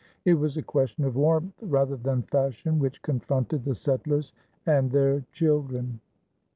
It was a question of warmth rather than fashion which confronted the settlers and their children.